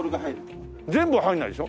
全部は入らないでしょ？